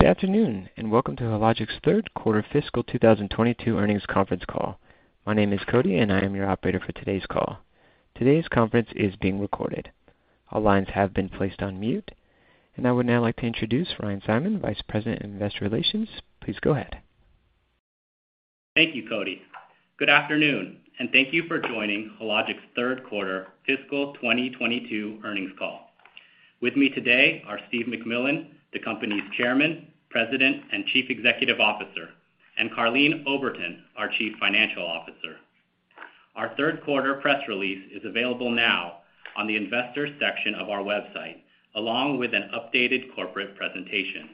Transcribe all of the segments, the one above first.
Good afternoon, and welcome to Hologic's third quarter fiscal 2022 earnings conference call. My name is Cody, and I am your operator for today's call. Today's conference is being recorded. All lines have been placed on mute. I would now like to introduce Ryan Simon, Vice President of Investor Relations. Please go ahead. Thank you, Cody. Good afternoon, and thank you for joining Hologic's third quarter fiscal 2022 earnings call. With me today are Steve MacMillan, the company's Chairman, President, and Chief Executive Officer, and Karleen Oberton, our Chief Financial Officer. Our third quarter press release is available now on the Investors section of our website, along with an updated corporate presentation.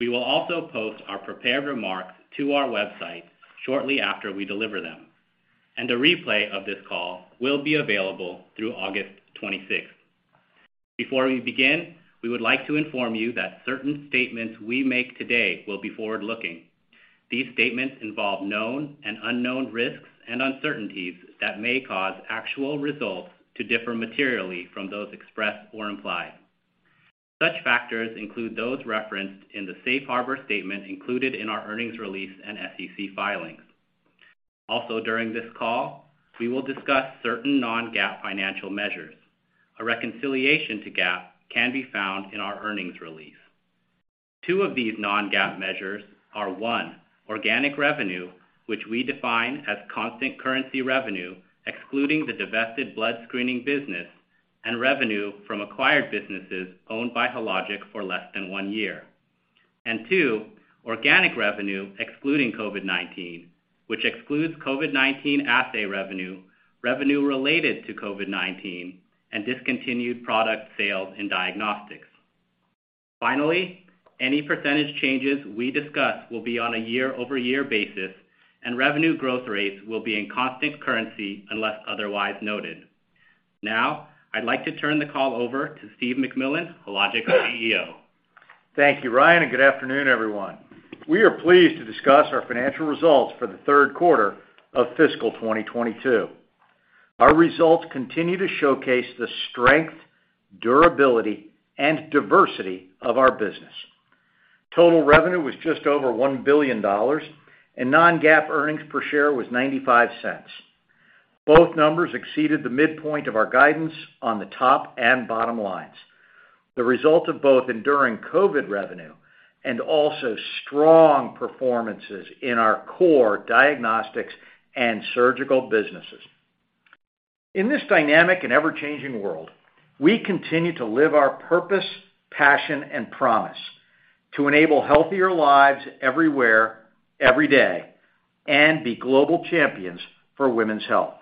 We will also post our prepared remarks to our website shortly after we deliver them, and a replay of this call will be available through August 26th. Before we begin, we would like to inform you that certain statements we make today will be forward-looking. These statements involve known and unknown risks and uncertainties that may cause actual results to differ materially from those expressed or implied. Such factors include those referenced in the safe harbor statement included in our earnings release and SEC filings. Also during this call, we will discuss certain non-GAAP financial measures. A reconciliation to GAAP can be found in our earnings release. Two of these non-GAAP measures are, one, organic revenue, which we define as constant currency revenue excluding the divested blood screening business and revenue from acquired businesses owned by Hologic for less than one year. And two, organic revenue excluding COVID-19, which excludes COVID-19 assay revenue related to COVID-19, and discontinued product sales in diagnostics. Finally, any percentage changes we discuss will be on a year-over-year basis, and revenue growth rates will be in constant currency unless otherwise noted. Now, I'd like to turn the call over to Steve MacMillan, Hologic's CEO. Thank you, Ryan, and good afternoon, everyone. We are pleased to discuss our financial results for the third quarter of fiscal 2022. Our results continue to showcase the strength, durability, and diversity of our business. Total revenue was just over $1 billion, and non-GAAP earnings per share was $0.95. Both numbers exceeded the midpoint of our guidance on the top and bottom lines, the result of both enduring COVID revenue and also strong performances in our core diagnostics and surgical businesses. In this dynamic and ever-changing world, we continue to live our purpose, passion, and promise to enable healthier lives everywhere, every day, and be global champions for women's health.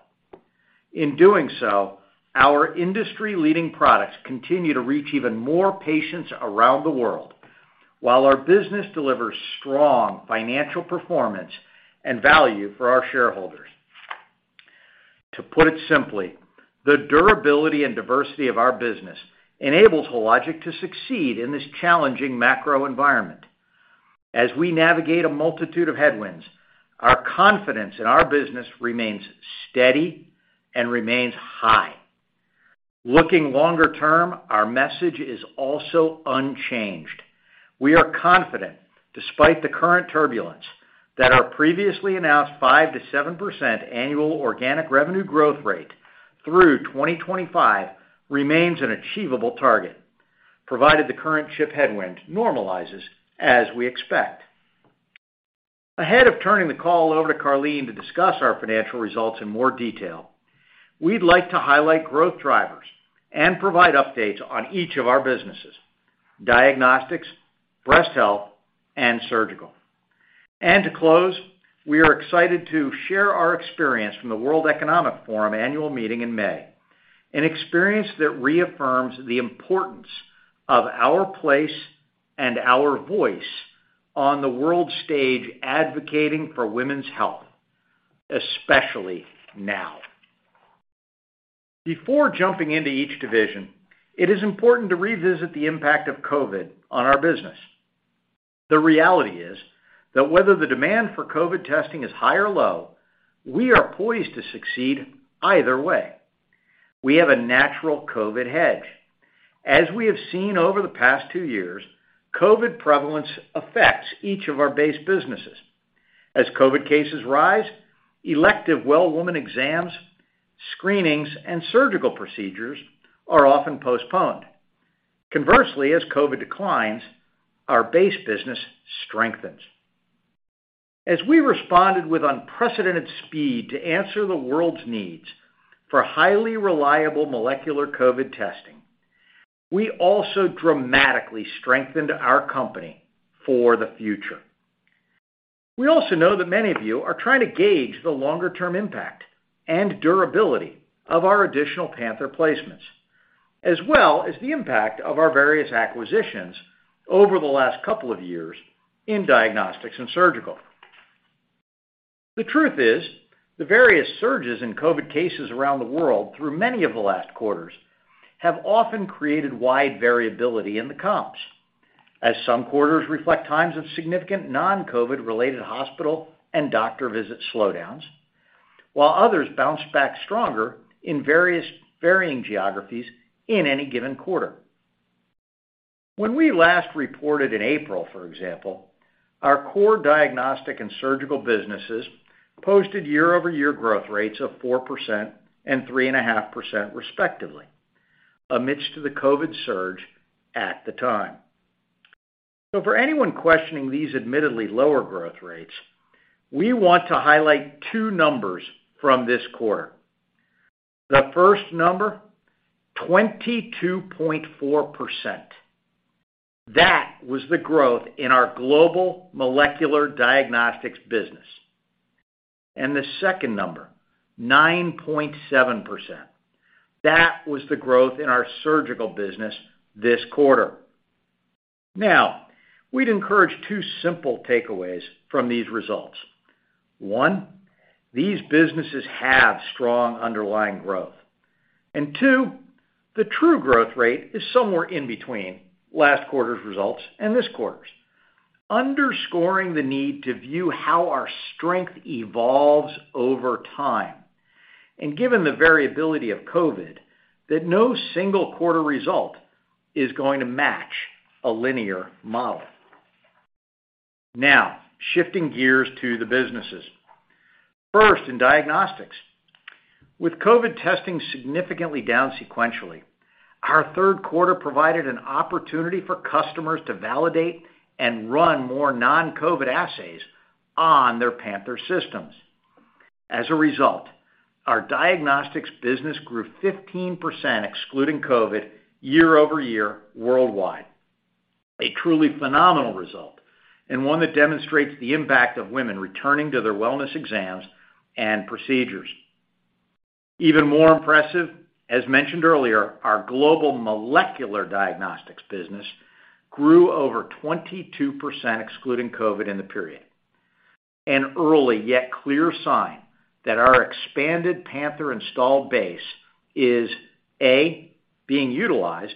In doing so, our industry-leading products continue to reach even more patients around the world while our business delivers strong financial performance and value for our shareholders. To put it simply, the durability and diversity of our business enables Hologic to succeed in this challenging macro environment. As we navigate a multitude of headwinds, our confidence in our business remains steady and remains high. Looking longer term, our message is also unchanged. We are confident, despite the current turbulence, that our previously announced 5%-7% annual organic revenue growth rate through 2025 remains an achievable target, provided the current chip headwind normalizes as we expect. Ahead of turning the call over to Karleen to discuss our financial results in more detail, we'd like to highlight growth drivers and provide updates on each of our businesses, diagnostics, breast health, and surgical. To close, we are excited to share our experience from the World Economic Forum Annual Meeting in May, an experience that reaffirms the importance of our place and our voice on the world stage advocating for women's health, especially now. Before jumping into each division, it is important to revisit the impact of COVID on our business. The reality is that whether the demand for COVID testing is high or low, we are poised to succeed either way. We have a natural COVID hedge. As we have seen over the past two years, COVID prevalence affects each of our base businesses. As COVID cases rise, elective well-woman exams, screenings, and surgical procedures are often postponed. Conversely, as COVID declines, our base business strengthens. As we responded with unprecedented speed to answer the world's needs for highly reliable molecular COVID testing, we also dramatically strengthened our company for the future. We also know that many of you are trying to gauge the longer-term impact and durability of our additional Panther placements, as well as the impact of our various acquisitions over the last couple of years in diagnostics and surgical. The truth is, the various surges in COVID cases around the world through many of the last quarters have often created wide variability in the comps, as some quarters reflect times of significant non-COVID-related hospital and doctor visit slowdowns. While others bounce back stronger in varying geographies in any given quarter. When we last reported in April, for example, our core diagnostic and surgical businesses posted year-over-year growth rates of 4% and 3.5% respectively, amidst the COVID surge at the time. For anyone questioning these admittedly lower growth rates, we want to highlight two numbers from this quarter. The first number, 22.4%. That was the growth in our global molecular diagnostics business. The second number, 9.7%. That was the growth in our surgical business this quarter. Now, we'd encourage two simple takeaways from these results. One, these businesses have strong underlying growth. Two, the true growth rate is somewhere in between last quarter's results and this quarter's, underscoring the need to view how our strength evolves over time. Given the variability of COVID, that no single quarter result is going to match a linear model. Now, shifting gears to the businesses. First, in diagnostics. With COVID testing significantly down sequentially, our third quarter provided an opportunity for customers to validate and run more non-COVID assays on their Panther systems. As a result, our diagnostics business grew 15% excluding COVID year-over-year worldwide. A truly phenomenal result and one that demonstrates the impact of women returning to their wellness exams and procedures. Even more impressive, as mentioned earlier, our global molecular diagnostics business grew over 22% excluding COVID in the period. An early yet clear sign that our expanded Panther installed base is, A, being utilized,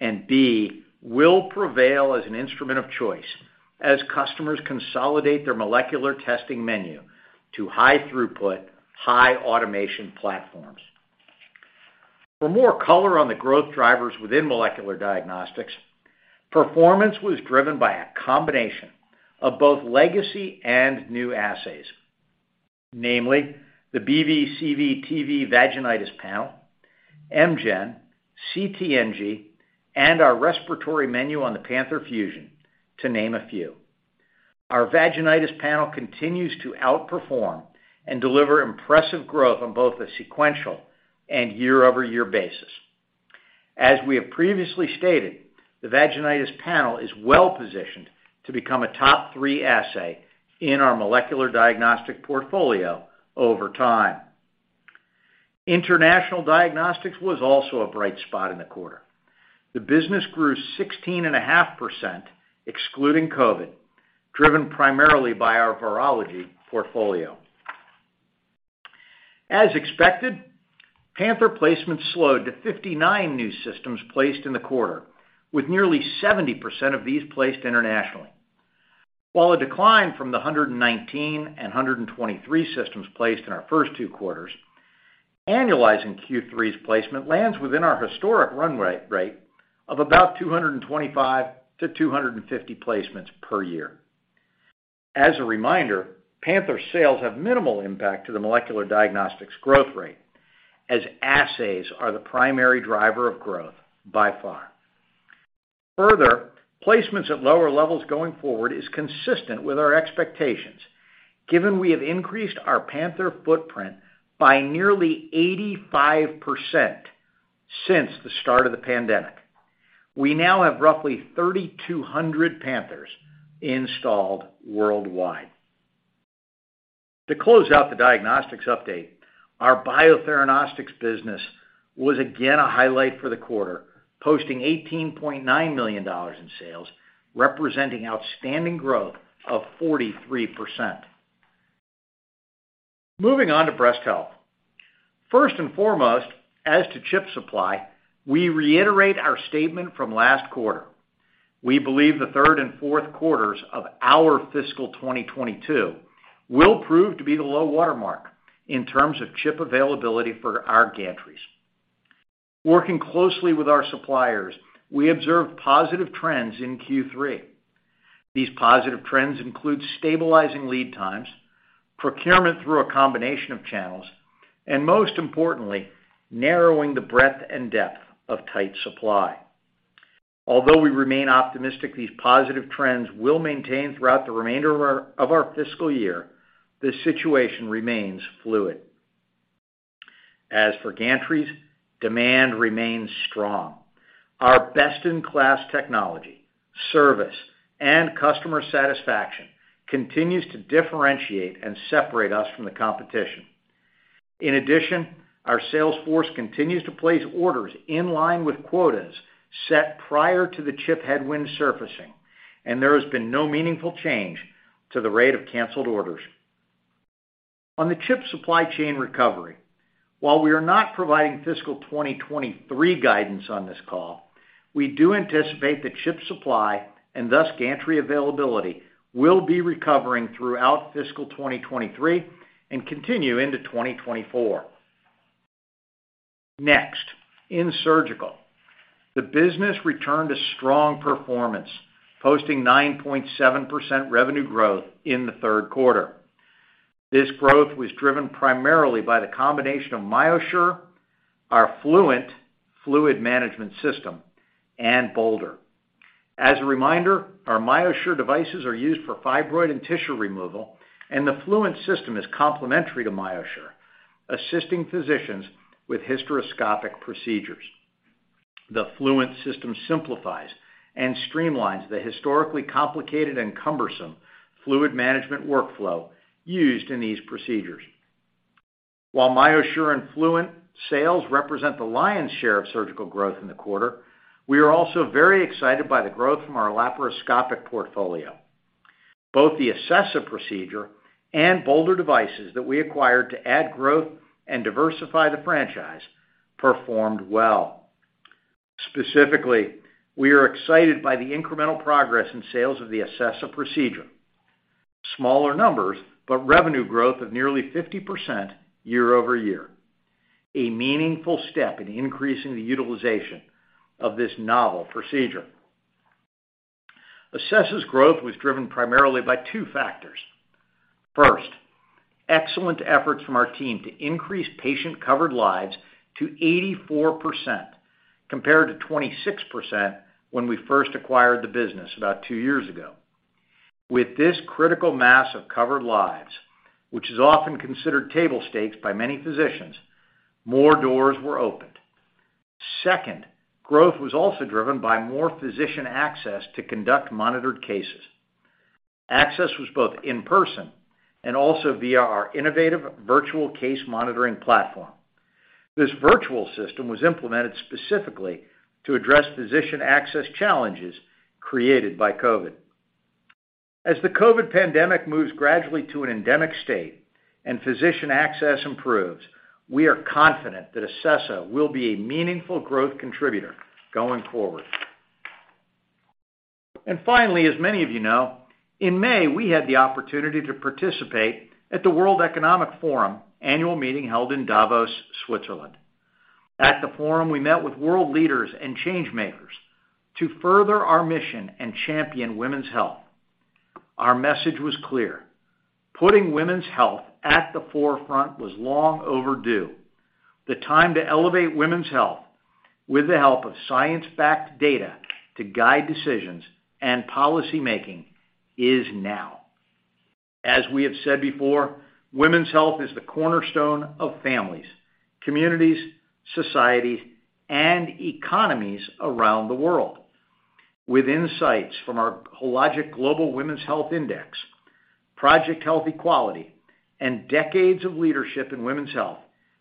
and B, will prevail as an instrument of choice as customers consolidate their molecular testing menu to high throughput, high automation platforms. For more color on the growth drivers within molecular diagnostics, performance was driven by a combination of both legacy and new assays. Namely, the BV/CV/TV Vaginitis Panel, MGen, CT/NG, and our respiratory menu on the Panther Fusion, to name a few. Our Vaginitis Panel continues to outperform and deliver impressive growth on both a sequential and year-over-year basis. As we have previously stated, the Vaginitis Panel is well-positioned to become a top three assay in our molecular diagnostic portfolio over time. International diagnostics was also a bright spot in the quarter. The business grew 16.5% excluding COVID, driven primarily by our virology portfolio. As expected, Panther placements slowed to 59 new systems placed in the quarter, with nearly 70% of these placed internationally. While a decline from the 119 and 123 systems placed in our first two quarters, annualizing Q3's placement lands within our historic run rate of about 225-250 placements per year. As a reminder, Panther sales have minimal impact to the molecular diagnostics growth rate, as assays are the primary driver of growth by far. Further, placements at lower levels going forward is consistent with our expectations, given we have increased our Panther footprint by nearly 85% since the start of the pandemic. We now have roughly 3,200 Panthers installed worldwide. To close out the diagnostics update, our Biotheranostics business was again a highlight for the quarter, posting $18.9 million in sales, representing outstanding growth of 43%. Moving on to breast health. First and foremost, as to chip supply, we reiterate our statement from last quarter. We believe the third and fourth quarters of our fiscal 2022 will prove to be the low watermark in terms of chip availability for our gantries. Working closely with our suppliers, we observed positive trends in Q3. These positive trends include stabilizing lead times, procurement through a combination of channels, and most importantly, narrowing the breadth and depth of tight supply. Although we remain optimistic these positive trends will maintain throughout the remainder of our fiscal year, the situation remains fluid. As for gantries, demand remains strong. Our best-in-class technology, service, and customer satisfaction continues to differentiate and separate us from the competition. In addition, our sales force continues to place orders in line with quotas set prior to the chip headwind surfacing, and there has been no meaningful change to the rate of canceled orders. On the chip supply chain recovery. While we are not providing fiscal 2023 guidance on this call, we do anticipate that chip supply and thus gantry availability will be recovering throughout fiscal 2023 and continue into 2024. Next, in surgical. The business returned a strong performance, posting 9.7% revenue growth in the third quarter. This growth was driven primarily by the combination of MyoSure, our Fluent Fluid Management System, and Boulder. As a reminder, our MyoSure devices are used for fibroid and tissue removal, and the Fluent system is complementary to MyoSure, assisting physicians with hysteroscopic procedures. The Fluent system simplifies and streamlines the historically complicated and cumbersome fluid management workflow used in these procedures. While MyoSure and Fluent sales represent the lion's share of surgical growth in the quarter, we are also very excited by the growth from our laparoscopic portfolio. Both the Acessa procedure and Boulder devices that we acquired to add growth and diversify the franchise performed well. Specifically, we are excited by the incremental progress in sales of the Acessa procedure. Smaller numbers, but revenue growth of nearly 50% year-over-year, a meaningful step in increasing the utilization of this novel procedure. Acessa's growth was driven primarily by two factors. First, excellent efforts from our team to increase patient-covered lives to 84% compared to 26% when we first acquired the business about two years ago. With this critical mass of covered lives, which is often considered table stakes by many physicians, more doors were opened. Second, growth was also driven by more physician access to conduct monitored cases. Access was both in person and also via our innovative virtual case monitoring platform. This virtual system was implemented specifically to address physician access challenges created by COVID. As the COVID pandemic moves gradually to an endemic state and physician access improves, we are confident that Acessa will be a meaningful growth contributor going forward. Finally, as many of you know, in May, we had the opportunity to participate at the World Economic Forum annual meeting held in Davos, Switzerland. At the forum, we met with world leaders and change makers to further our mission and champion women's health. Our message was clear. Putting women's health at the forefront was long overdue. The time to elevate women's health with the help of science-backed data to guide decisions and policy making is now. As we have said before, women's health is the cornerstone of families, communities, societies, and economies around the world. With insights from our Hologic Global Women's Health Index, Project Health Equality, and decades of leadership in women's health,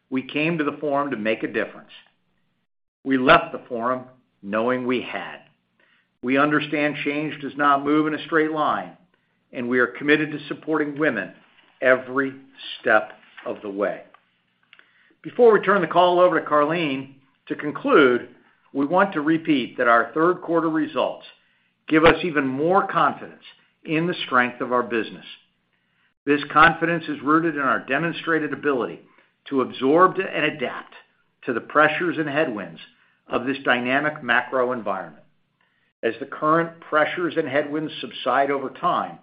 we came to the forum to make a difference. We left the forum knowing we had. We understand change does not move in a straight line, and we are committed to supporting women every step of the way. Before we turn the call over to Karleen, to conclude, we want to repeat that our third quarter results give us even more confidence in the strength of our business. This confidence is rooted in our demonstrated ability to absorb and adapt to the pressures and headwinds of this dynamic macro environment. As the current pressures and headwinds subside over time,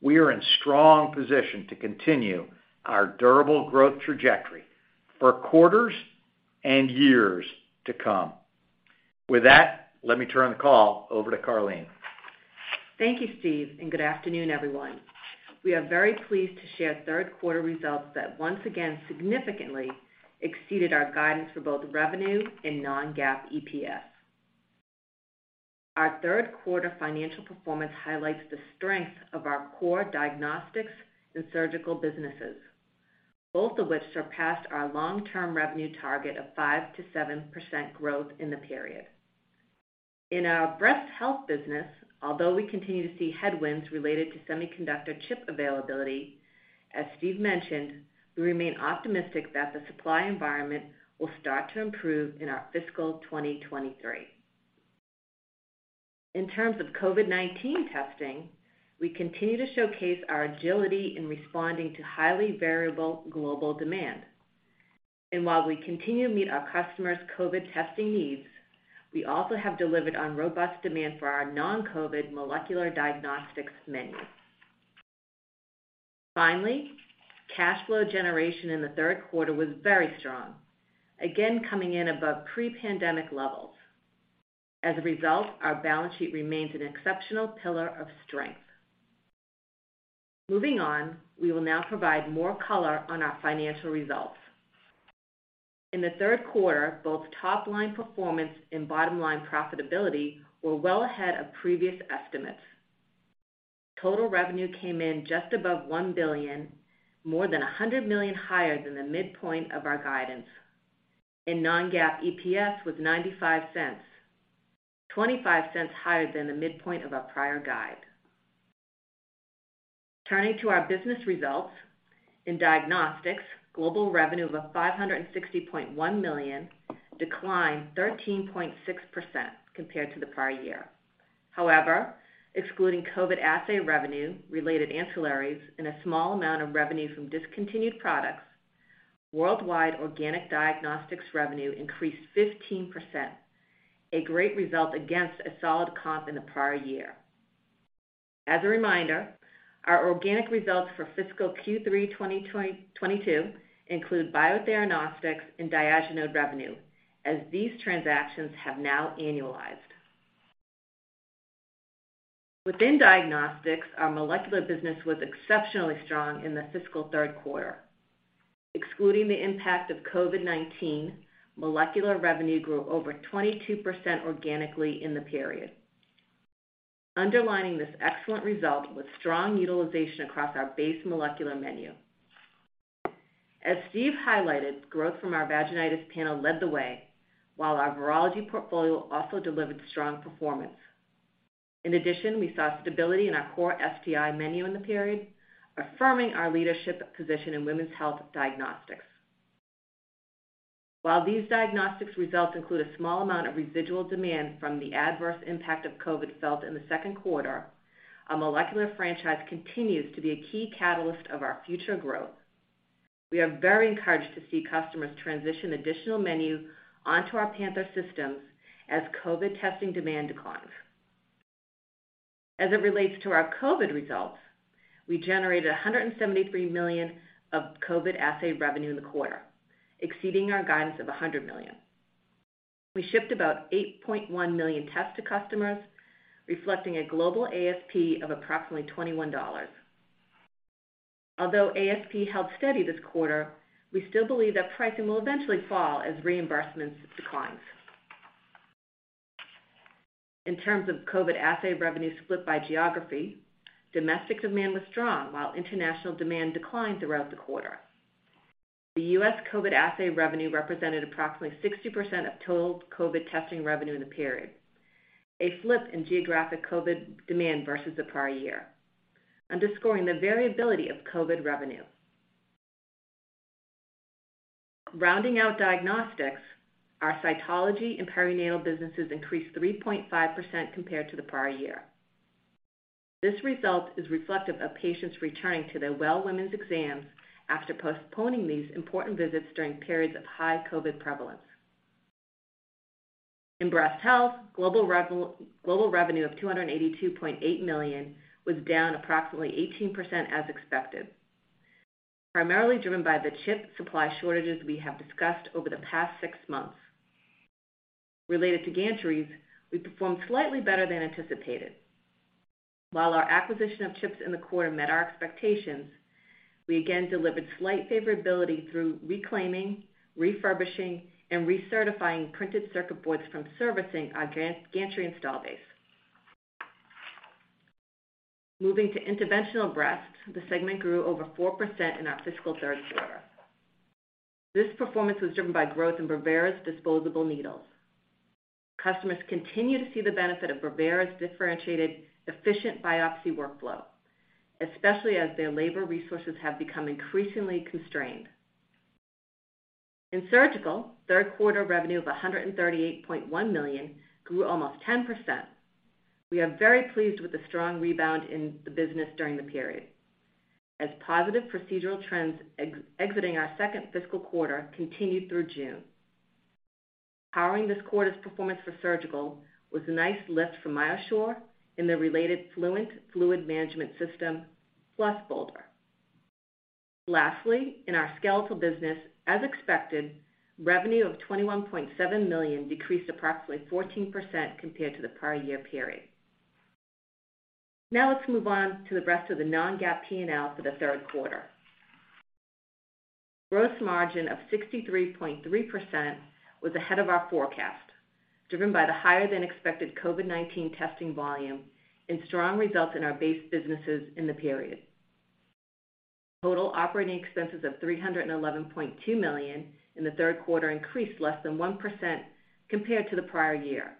we are in strong position to continue our durable growth trajectory for quarters and years to come. With that, let me turn the call over to Karleen. Thank you, Steve, and good afternoon, everyone. We are very pleased to share third quarter results that once again significantly exceeded our guidance for both revenue and non-GAAP EPS. Our third quarter financial performance highlights the strength of our core diagnostics and surgical businesses, both of which surpassed our long-term revenue target of 5%-7% growth in the period. In our breast health business, although we continue to see headwinds related to semiconductor chip availability, as Steve mentioned, we remain optimistic that the supply environment will start to improve in our fiscal 2023. In terms of COVID-19 testing, we continue to showcase our agility in responding to highly variable global demand. While we continue to meet our customers' COVID testing needs, we also have delivered on robust demand for our non-COVID molecular diagnostics menu. Finally, cash flow generation in the third quarter was very strong, again coming in above pre-pandemic levels. As a result, our balance sheet remains an exceptional pillar of strength. Moving on, we will now provide more color on our financial results. In the third quarter, both top line performance and bottom line profitability were well ahead of previous estimates. Total revenue came in just above $1 billion, more than $100 million higher than the midpoint of our guidance, and non-GAAP EPS was $0.95, $0.25 higher than the midpoint of our prior guide. Turning to our business results. In diagnostics, global revenue of $560.1 million declined 13.6% compared to the prior year. However, excluding COVID-19 assay revenue, related ancillaries, and a small amount of revenue from discontinued products, worldwide organic diagnostics revenue increased 15%, a great result against a solid comp in the prior year. As a reminder, our organic results for fiscal Q3 2022 include Biotheranostics and Diagenode revenue, as these transactions have now annualized. Within diagnostics, our molecular business was exceptionally strong in the fiscal third quarter. Excluding the impact of COVID-19, molecular revenue grew over 22% organically in the period. Underlining this excellent result was strong utilization across our base molecular menu. As Steve highlighted, growth from our Vaginitis Panel led the way, while our virology portfolio also delivered strong performance. In addition, we saw stability in our core STI menu in the period, affirming our leadership position in women's health diagnostics. While these diagnostics results include a small amount of residual demand from the adverse impact of COVID felt in the second quarter, our molecular franchise continues to be a key catalyst of our future growth. We are very encouraged to see customers transition additional menu onto our Panther systems as COVID testing demand declines. As it relates to our COVID results, we generated $173 million of COVID assay revenue in the quarter, exceeding our guidance of $100 million. We shipped about 8.1 million tests to customers, reflecting a global ASP of approximately $21. Although ASP held steady this quarter, we still believe that pricing will eventually fall as reimbursements declines. In terms of COVID assay revenue split by geography, domestic demand was strong while international demand declined throughout the quarter. The U.S. COVID assay revenue represented approximately 60% of total COVID testing revenue in the period, a flip in geographic COVID demand versus the prior year, underscoring the variability of COVID revenue. Rounding out diagnostics, our cytology and perinatal businesses increased 3.5% compared to the prior year. This result is reflective of patients returning to their well women's exams after postponing these important visits during periods of high COVID prevalence. In breast health, global revenue of $282.8 million was down approximately 18% as expected, primarily driven by the chip supply shortages we have discussed over the past six months. Related to gantries, we performed slightly better than anticipated. While our acquisition of chips in the quarter met our expectations, we again delivered slight favorability through reclaiming, refurbishing, and recertifying printed circuit boards from servicing our gantry install base. Moving to interventional breast, the segment grew over 4% in our fiscal third quarter. This performance was driven by growth in Brevera's disposable needles. Customers continue to see the benefit of Brevera's differentiated efficient biopsy workflow, especially as their labor resources have become increasingly constrained. In surgical, third quarter revenue of $138.1 million grew almost 10%. We are very pleased with the strong rebound in the business during the period as positive procedural trends exiting our second fiscal quarter continued through June. Powering this quarter's performance for surgical was a nice lift from MyoSure and the related Fluent Fluid Management System, plus Boulder. Lastly, in our skeletal business, as expected, revenue of $21.7 million decreased approximately 14% compared to the prior year period. Now let's move on to the rest of the non-GAAP P&L for the third quarter. Gross margin of 63.3% was ahead of our forecast, driven by the higher than expected COVID-19 testing volume and strong results in our base businesses in the period. Total operating expenses of $311.2 million in the third quarter increased less than 1% compared to the prior year.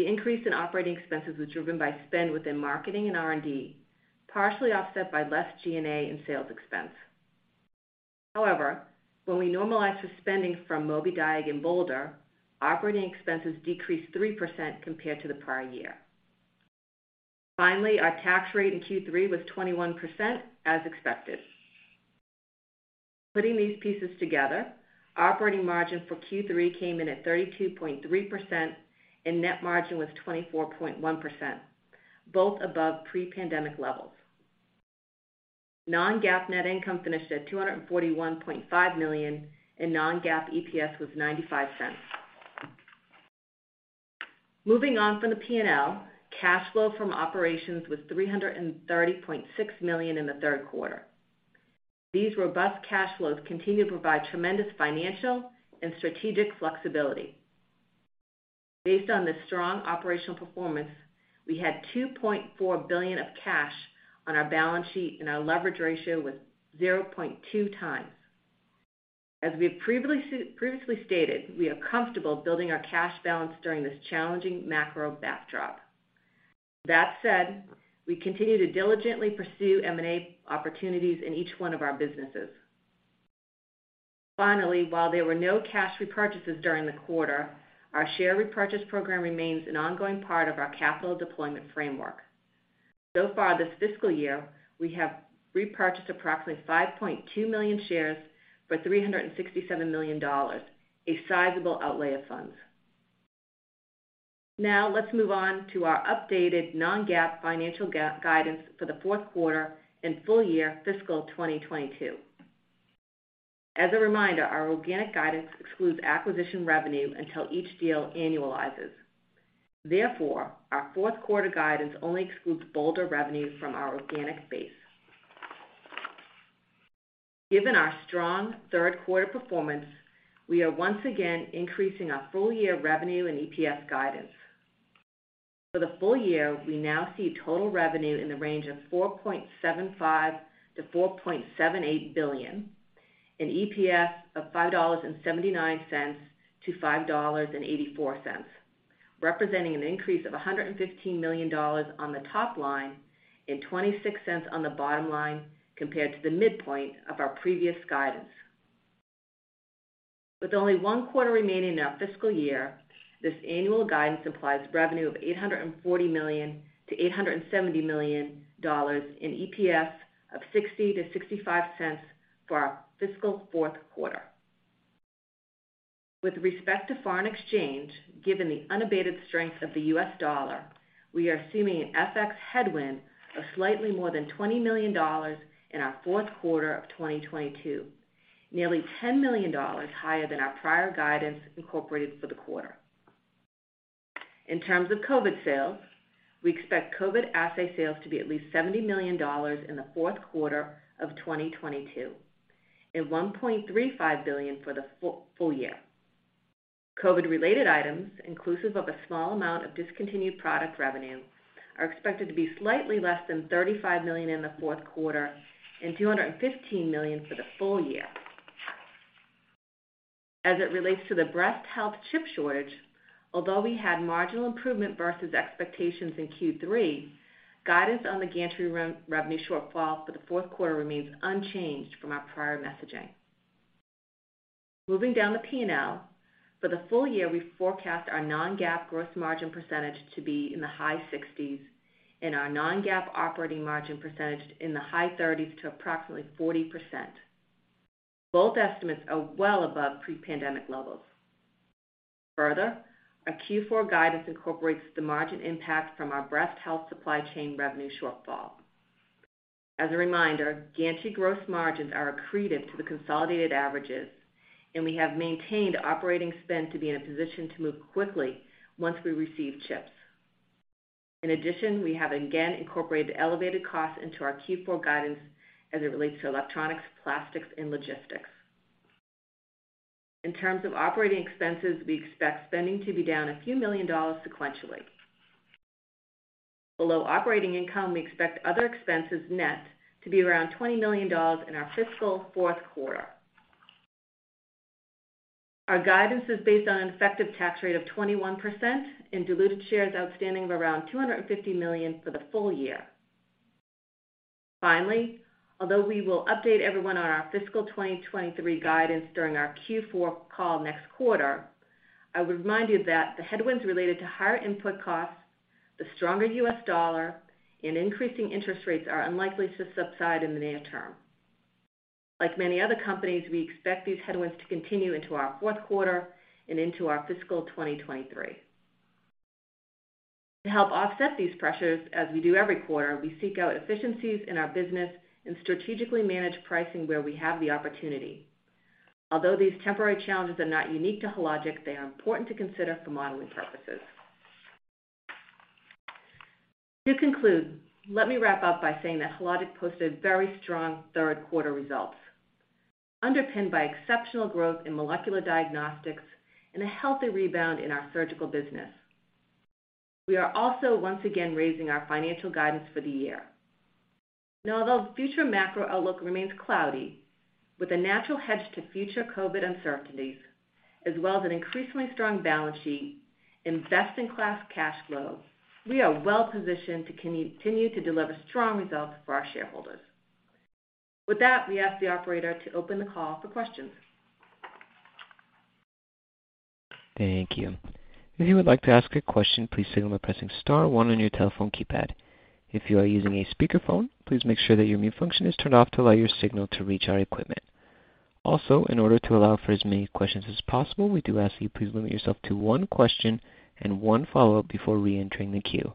The increase in operating expenses was driven by spend within marketing and R&D, partially offset by less G&A and sales expense. However, when we normalize the spending from Mobidiag and Boulder, operating expenses decreased 3% compared to the prior year. Finally, our tax rate in Q3 was 21% as expected. Putting these pieces together, operating margin for Q3 came in at 32.3% and net margin was 24.1%, both above pre-pandemic levels. Non-GAAP net income finished at $241.5 million, and non-GAAP EPS was $0.95. Moving on from the P&L, cash flow from operations was $330.6 million in the third quarter. These robust cash flows continue to provide tremendous financial and strategic flexibility. Based on this strong operational performance, we had $2.4 billion of cash on our balance sheet and our leverage ratio was 0.2x. As we have previously stated, we are comfortable building our cash balance during this challenging macro backdrop. That said, we continue to diligently pursue M&A opportunities in each one of our businesses. Finally, while there were no cash repurchases during the quarter, our share repurchase program remains an ongoing part of our capital deployment framework. So far this fiscal year, we have repurchased approximately 5.2 million shares for $367 million, a sizable outlay of funds. Now let's move on to our updated non-GAAP financial guidance for the fourth quarter and full year fiscal 2022. As a reminder, our organic guidance excludes acquisition revenue until each deal annualizes. Therefore, our fourth quarter guidance only excludes Boulder revenue from our organic base. Given our strong third quarter performance, we are once again increasing our full year revenue and EPS guidance. For the full year, we now see total revenue in the range of $4.75 billion-$4.78 billion, an EPS of $5.79-$5.84, representing an increase of $115 million on the top line and 26 cents on the bottom line compared to the midpoint of our previous guidance. With only one quarter remaining in our fiscal year, this annual guidance implies revenue of $840 million-$870 million in EPS of $0.60-$0.65 for our fiscal fourth quarter. With respect to foreign exchange, given the unabated strength of the US dollar, we are assuming an FX headwind of slightly more than $20 million in our fourth quarter of 2022, nearly $10 million higher than our prior guidance incorporated for the quarter. In terms of COVID sales, we expect COVID assay sales to be at least $70 million in the fourth quarter of 2022, and $1.35 billion for the full year. COVID-related items, inclusive of a small amount of discontinued product revenue, are expected to be slightly less than $35 million in the fourth quarter and $215 million for the full year. As it relates to the breast health chip shortage, although we had marginal improvement versus expectations in Q3, guidance on the Gantry revenue shortfall for the fourth quarter remains unchanged from our prior messaging. Moving down the P&L, for the full year, we forecast our non-GAAP gross margin percentage to be in the high 60s and our non-GAAP operating margin percentage in the high 30s to approximately 40%. Both estimates are well above pre-pandemic levels. Further, our Q4 guidance incorporates the margin impact from our breast health supply chain revenue shortfall. As a reminder, Gantry gross margins are accretive to the consolidated averages, and we have maintained operating spend to be in a position to move quickly once we receive chips. In addition, we have again incorporated the elevated costs into our Q4 guidance as it relates to electronics, plastics, and logistics. In terms of operating expenses, we expect spending to be down a few $ million sequentially. Below operating income, we expect other expenses net to be around $20 million in our fiscal fourth quarter. Our guidance is based on an effective tax rate of 21% and diluted shares outstanding of around 250 million for the full year. Finally, although we will update everyone on our fiscal 2023 guidance during our Q4 call next quarter, I would remind you that the headwinds related to higher input costs, the stronger US dollar, and increasing interest rates are unlikely to subside in the near term. Like many other companies, we expect these headwinds to continue into our fourth quarter and into our fiscal 2023. To help offset these pressures, as we do every quarter, we seek out efficiencies in our business and strategically manage pricing where we have the opportunity. Although these temporary challenges are not unique to Hologic, they are important to consider for modeling purposes. To conclude, let me wrap up by saying that Hologic posted very strong third quarter results, underpinned by exceptional growth in molecular diagnostics and a healthy rebound in our surgical business. We are also once again raising our financial guidance for the year. Now, although the future macro outlook remains cloudy with a natural hedge to future COVID uncertainties, as well as an increasingly strong balance sheet and best-in-class cash flow, we are well positioned to continue to deliver strong results for our shareholders. With that, we ask the operator to open the call for questions. Thank you. If you would like to ask a question, please signal by pressing star one on your telephone keypad. If you are using a speakerphone, please make sure that your mute function is turned off to allow your signal to reach our equipment. Also, in order to allow for as many questions as possible, we do ask that you please limit yourself to one question and one follow-up before reentering the queue.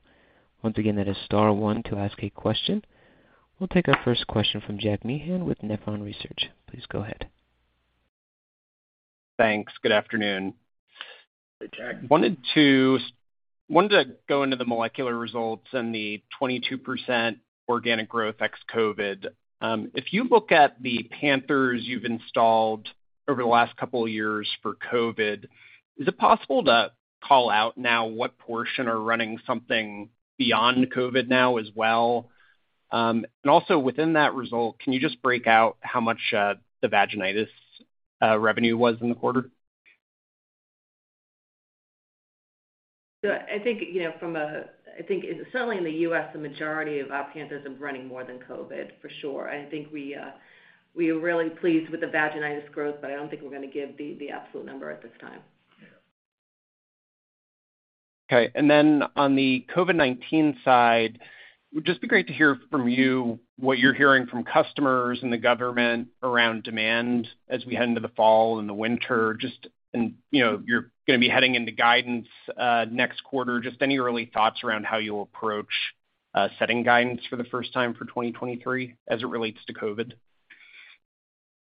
Once again, that is star one to ask a question. We'll take our first question from Jack Meehan with Nephron Research. Please go ahead. Thanks. Good afternoon. Hey, Jack. Wanted to go into the molecular results and the 22% organic growth ex-COVID. If you look at the Panthers you've installed over the last couple of years for COVID, is it possible to call out now what portion are running something beyond COVID now as well? Also within that result, can you just break out how much the vaginitis revenue was in the quarter? I think, you know, I think certainly in the U.S., the majority of Panther are running more than COVID, for sure. I think we are really pleased with the vaginitis growth, but I don't think we're gonna give the absolute number at this time. Okay. Then on the COVID-19 side, it would just be great to hear from you what you're hearing from customers and the government around demand as we head into the fall and the winter. You know, you're gonna be heading into guidance next quarter. Just any early thoughts around how you'll approach setting guidance for the first time for 2023 as it relates to COVID.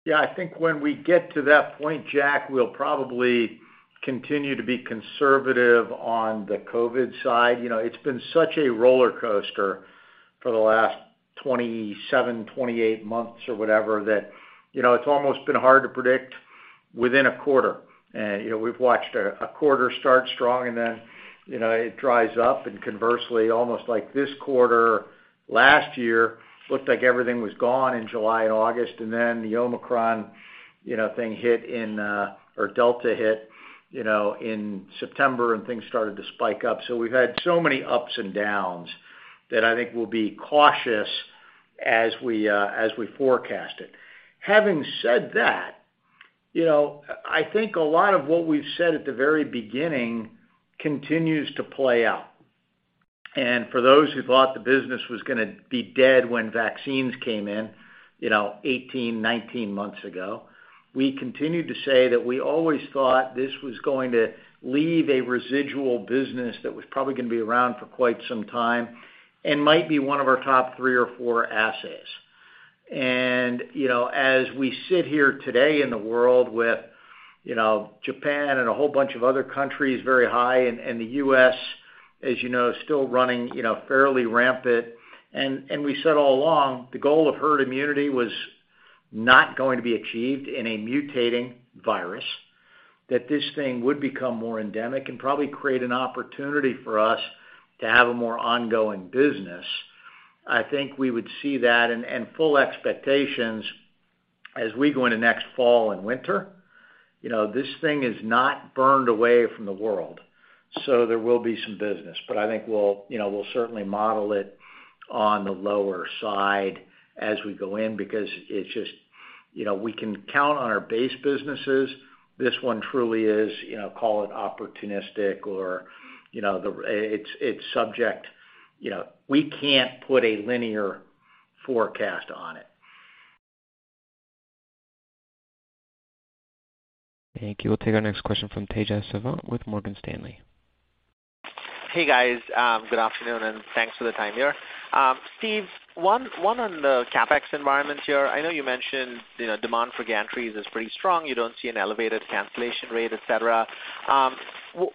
Yeah, I think when we get to that point, Jack, we'll probably continue to be conservative on the COVID side. You know, it's been such a roller coaster for the last 27, 28 months or whatever that, you know, it's almost been hard to predict within a quarter. You know, we've watched a quarter start strong, and then, you know, it dries up. Conversely, almost like this quarter, last year looked like everything was gone in July and August, and then the Omicron, you know, thing hit in or Delta hit, you know, in September and things started to spike up. We've had so many ups and downs that I think we'll be cautious as we forecast it. Having said that, you know, I think a lot of what we've said at the very beginning continues to play out. For those who thought the business was gonna be dead when vaccines came in, you know, 18, 19 months ago, we continued to say that we always thought this was going to leave a residual business that was probably gonna be around for quite some time and might be one of our top three or four assets. You know, as we sit here today in the world with, you know, Japan and a whole bunch of other countries very high, and the U.S., as you know, still running, you know, fairly rampant. We said all along, the goal of herd immunity was not going to be achieved in a mutating virus, that this thing would become more endemic and probably create an opportunity for us to have a more ongoing business. I think we would see that and full expectations as we go into next fall and winter. You know, this thing is not burned away from the world, so there will be some business. I think we'll, you know, we'll certainly model it on the lower side as we go in because it's just. You know, we can count on our base businesses. This one truly is, you know, call it opportunistic or, you know, it's subject, you know, we can't put a linear forecast on it. Thank you. We'll take our next question from Tejas Savant with Morgan Stanley. Hey, guys. Good afternoon, and thanks for the time here. Steve, one on the CapEx environment here. I know you mentioned, you know, demand for gantries is pretty strong. You don't see an elevated cancellation rate, et cetera.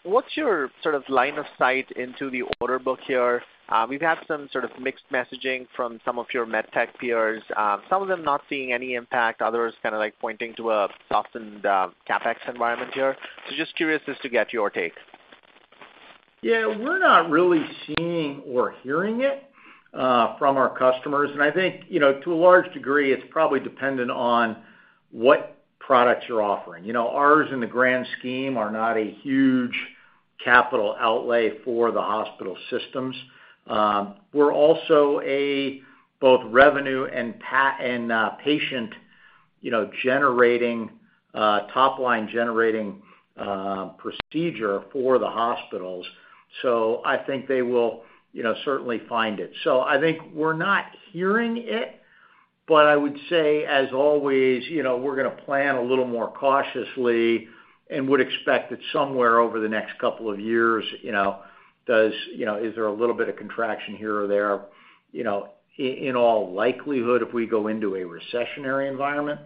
What's your sort of line of sight into the order book here? We've had some sort of mixed messaging from some of your med tech peers, some of them not seeing any impact, others kinda like pointing to a softened, CapEx environment here. Just curious as to get your take. Yeah. We're not really seeing or hearing it from our customers. I think, you know, to a large degree, it's probably dependent on what products you're offering. You know, ours in the grand scheme are not a huge capital outlay for the hospital systems. We're also both revenue and patient, you know, generating, top-line generating, procedure for the hospitals, so I think they will, you know, certainly find it. I think we're not hearing it, but I would say, as always, you know, we're gonna plan a little more cautiously and would expect that somewhere over the next couple of years, you know, is there a little bit of contraction here or there, you know, in all likelihood, if we go into a recessionary environment.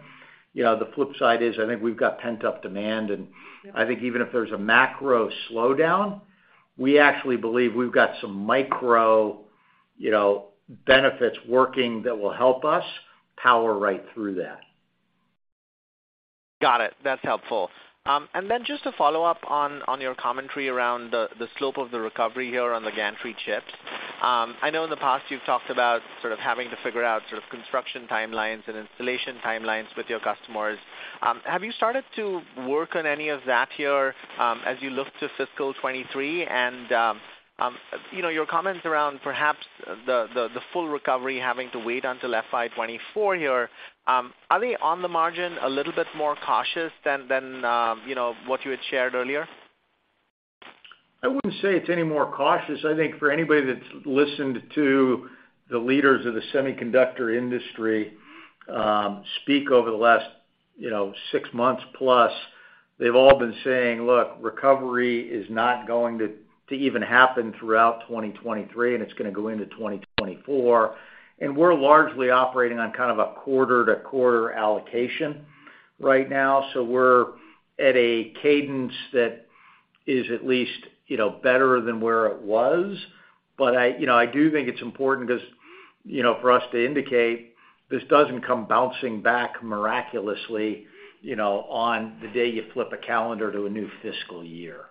You know, the flip side is, I think we've got pent-up demand, and I think even if there's a macro slowdown, we actually believe we've got some micro, you know, benefits working that will help us power right through that. Got it. That's helpful. Just to follow up on your commentary around the slope of the recovery here on the gantry chips. I know in the past you've talked about sort of having to figure out sort of construction timelines and installation timelines with your customers. Have you started to work on any of that here, as you look to fiscal 2023? You know, your comments around perhaps the full recovery having to wait until FY 2024 here, are they on the margin a little bit more cautious than what you had shared earlier? I wouldn't say it's any more cautious. I think for anybody that's listened to the leaders of the semiconductor industry, speak over the last, you know, six months plus, they've all been saying, "Look, recovery is not going to even happen throughout 2023, and it's gonna go into 2024." We're largely operating on kind of a quarter-to-quarter allocation right now, so we're at a cadence that is at least, you know, better than where it was. I, you know, I do think it's important 'cause, you know, for us to indicate this doesn't come bouncing back miraculously, you know, on the day you flip a calendar to a new fiscal year.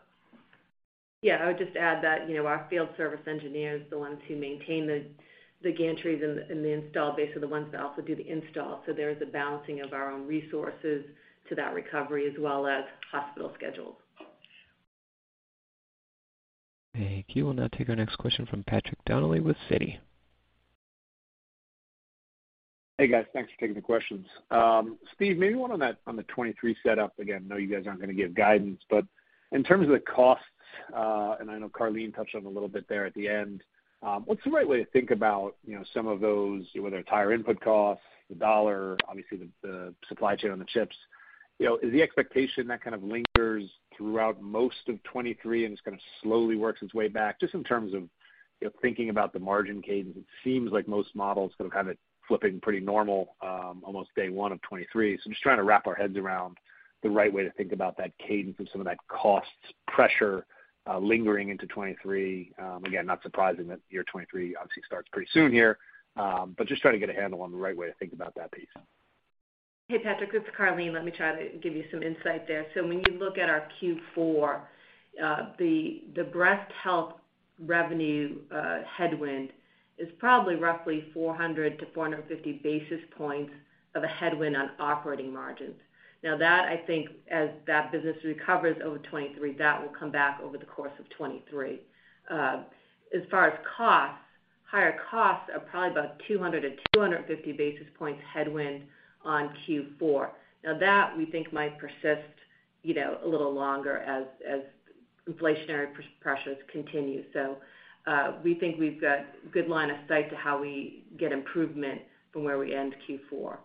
Yeah, I would just add that, you know, our field service engineers, the ones who maintain the gantries and the installed base are the ones that also do the install. There is a balancing of our own resources to that recovery as well as hospital schedules. Thank you. We'll now take our next question from Patrick Donnelly with Citi. Hey, guys. Thanks for taking the questions. Steve, maybe one on that, on the 2023 setup. Again, I know you guys aren't gonna give guidance, but in terms of the costs, and I know Karleen touched on it a little bit there at the end, what's the right way to think about, you know, some of those, whether higher input costs, the dollar, obviously the supply chain on the chips. You know, is the expectation that kind of lingers throughout most of 2023 and it's gonna slowly works its way back, just in terms of, you know, thinking about the margin cadence. It seems like most models kind of flipping pretty normal, almost day one of 2023. I'm just trying to wrap our heads around the right way to think about that cadence and some of that costs pressure, lingering into 2023. Again, not surprising that year 2023 obviously starts pretty soon here. Just trying to get a handle on the right way to think about that piece. Hey, Patrick, this is Karleen. Let me try to give you some insight there. When you look at our Q4, the breast health revenue headwind is probably roughly 400-450 basis points of a headwind on operating margins. Now that I think as that business recovers over 2023, that will come back over the course of 2023. As far as costs, higher costs are probably about 200-250 basis points headwind on Q4. Now that we think might persist, you know, a little longer as inflationary pressures continue. We think we've got good line of sight to how we get improvement from where we end Q4.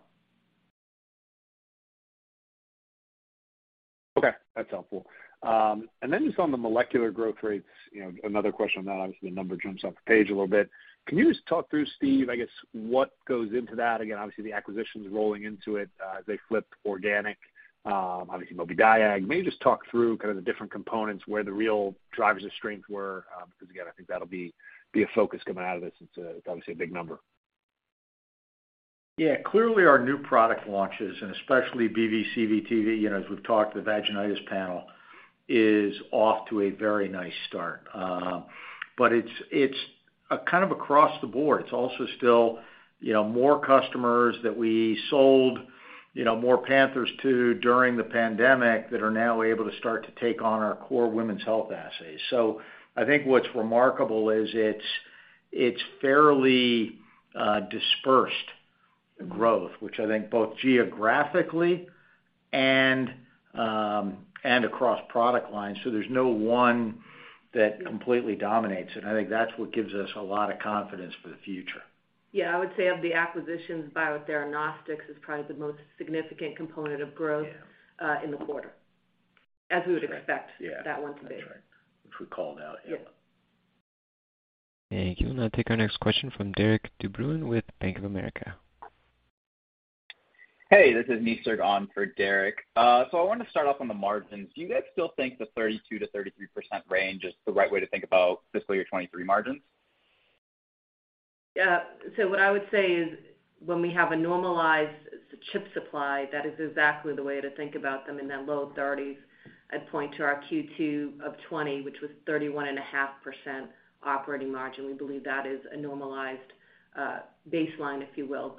Okay, that's helpful. Then just on the molecular growth rates, you know, another question on that. Obviously, the number jumps off the page a little bit. Can you just talk through, Steve, I guess, what goes into that? Again, obviously, the acquisitions rolling into it, as they flipped organic, obviously, Mobidiag. Maybe just talk through kind of the different components where the real drivers of strength were, because again, I think that'll be a focus coming out of this. It's obviously a big number. Yeah. Clearly, our new product launches, and especially BV/CV/TV, you know, as we've talked, the Vaginitis Panel is off to a very nice start. But it's a kind of across the board. It's also still, you know, more customers that we sold, you know, more Panthers to during the pandemic that are now able to start to take on our core women's health assays. I think what's remarkable is it's fairly dispersed growth, which I think both geographically and across product lines. There's no one that completely dominates it. I think that's what gives us a lot of confidence for the future. Yeah. I would say of the acquisitions, Biotheranostics is probably the most significant component of growth. Yeah. in the quarter, as we would expect. That's right. Yeah. that one to be. That's right, which we called out. Yeah. Yeah. Thank you. We'll now take our next question from Derik de Bruin with Bank of America. Hey, this is Nisarg on for Derik. I wanted to start off on the margins. Do you guys still think the 32%-33% range is the right way to think about fiscal year 2023 margins? What I would say is when we have a normalized chip supply, that is exactly the way to think about them in that low 30s. I'd point to our Q2 of 2020, which was 31.5% operating margin. We believe that is a normalized baseline, if you will.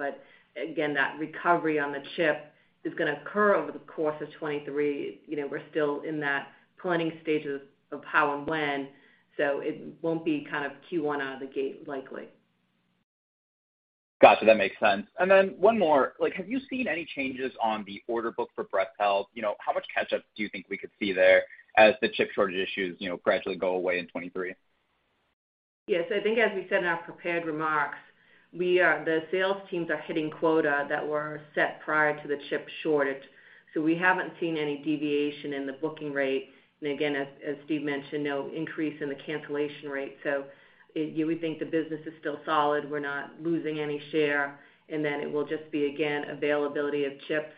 That recovery on the chip is gonna occur over the course of 2023. You know, we're still in that planning stages of how and when, so it won't be kind of Q1 out of the gate, likely. Gotcha, that makes sense. One more. Like, have you seen any changes on the order book for breast health? You know, how much catch-up do you think we could see there as the chip shortage issues, you know, gradually go away in 2023? Yes. I think as we said in our prepared remarks, the sales teams are hitting quota that were set prior to the chip shortage. We haven't seen any deviation in the booking rate. Again, as Steve mentioned, no increase in the cancellation rate. You would think the business is still solid. We're not losing any share. Then it will just be, again, availability of chips,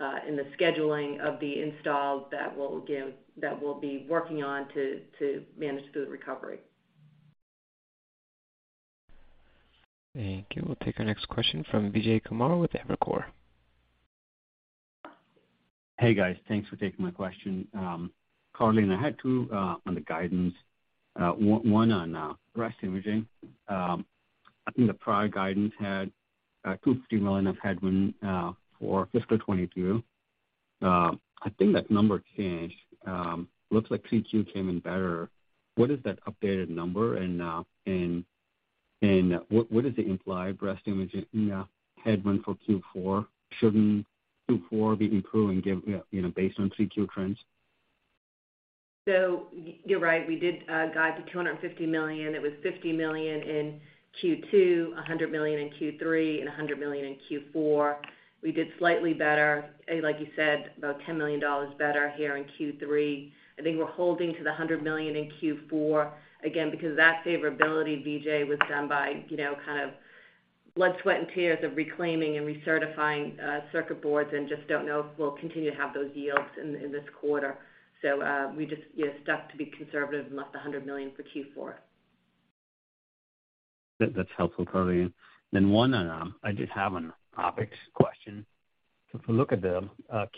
and the scheduling of the installs that we'll be working on to manage through the recovery. Thank you. We'll take our next question from Vijay Kumar with Evercore. Hey, guys. Thanks for taking my question. Karleen, I had two on the guidance. One on breast imaging. I think the prior guidance had $250 million of headwind for fiscal 2022. I think that number changed. Looks like 3Q came in better. What is that updated number? And what does it imply for breast imaging headwind for Q4? Shouldn't Q4 be improving given you know, based on 3Q trends? You're right. We did guide to $250 million. It was $50 million in Q2, $100 million in Q3, and $100 million in Q4. We did slightly better, like you said, about $10 million better here in Q3. I think we're holding to the $100 million in Q4. Again, because that favorability, Vijay, was done by, you know, kind of blood, sweat, and tears of reclaiming and recertifying circuit boards and just don't know if we'll continue to have those yields in this quarter. We just, you know, stuck to being conservative and left the $100 million for Q4. That's helpful, Karleen. One, I just have an OpEx question. If we look at the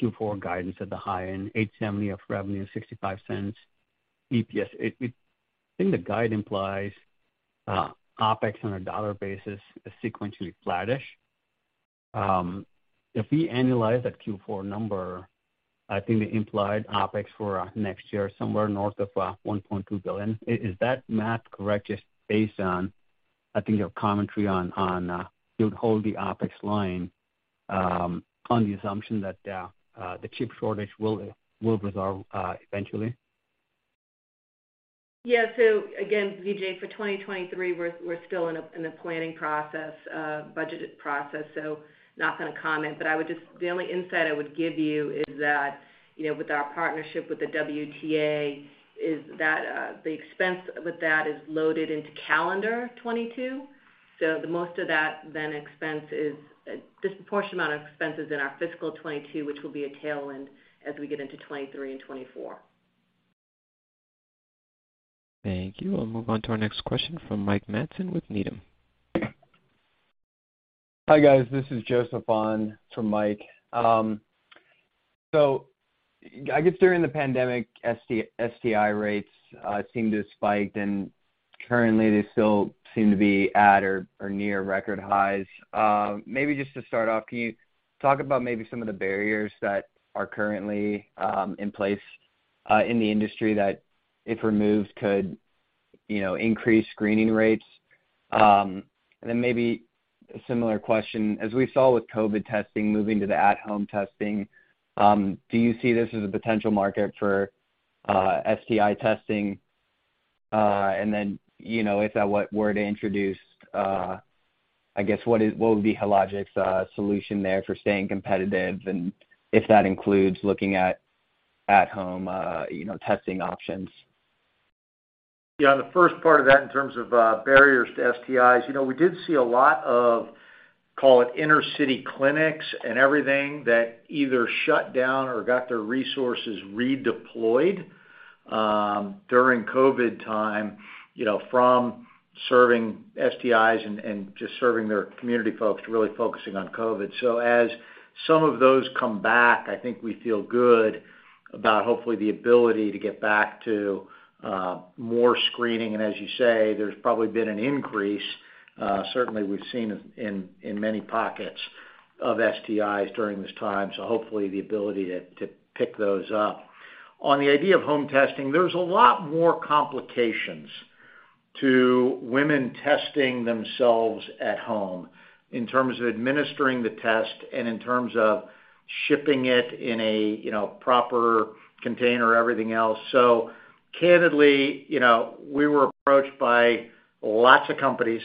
Q4 guidance at the high end, $870 million of revenue and $0.65 EPS, I think the guide implies OpEx on a dollar basis is sequentially flattish. If we annualize that Q4 number, I think the implied OpEx for next year is somewhere north of $1.2 billion. Is that math correct just based on, I think, your commentary on you would hold the OpEx line on the assumption that the chip shortage will resolve eventually? Yeah. Again, Vijay, for 2023, we're still in a planning process, budgeted process, so not gonna comment. The only insight I would give you is that, you know, with our partnership with the WTA is that the expense with that is loaded into calendar 2022. The most of that then expense is a disproportionate amount of expense is in our fiscal 2022, which will be a tailwind as we get into 2023 and 2024. Thank you. We'll move on to our next question from Mike Matson with Needham. Hi, guys. This is Joseph on for Mike. I guess during the pandemic, STI rates seemed to have spiked, and currently they still seem to be at or near record highs. Maybe just to start off, can you talk about maybe some of the barriers that are currently in place in the industry that if removed could increase screening rates? Maybe a similar question: As we saw with COVID testing moving to the at-home testing, do you see this as a potential market for STI testing? You know, if that were to introduce, I guess, what would be Hologic's solution there for staying competitive, and if that includes looking at at-home, you know, testing options? Yeah. The first part of that in terms of barriers to STIs, you know, we did see a lot of, call it, inner-city clinics and everything that either shut down or got their resources redeployed during COVID time, you know, from serving STIs and just serving their community folks to really focusing on COVID. As some of those come back, I think we feel good about hopefully the ability to get back to more screening. As you say, there's probably been an increase, certainly we've seen in many pockets of STIs during this time. Hopefully the ability to pick those up. On the idea of home testing, there's a lot more complications to women testing themselves at home in terms of administering the test and in terms of shipping it in a proper container and everything else. Candidly, you know, we were approached by lots of companies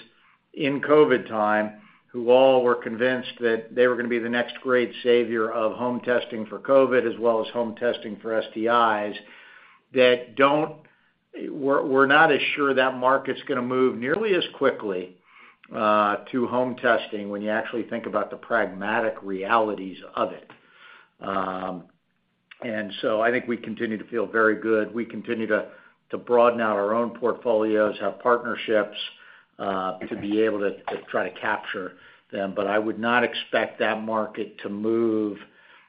in COVID time who all were convinced that they were gonna be the next great savior of home testing for COVID as well as home testing for STIs. We're not as sure that market's gonna move nearly as quickly to home testing when you actually think about the pragmatic realities of it. I think we continue to feel very good. We continue to broaden out our own portfolios, have partnerships to be able to try to capture them. But I would not expect that market to move